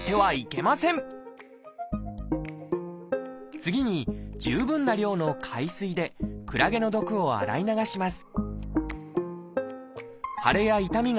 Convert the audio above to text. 次に十分な量の海水でクラゲの毒を洗い流します